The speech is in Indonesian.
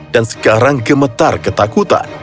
dan sekarang gemetar ketakutan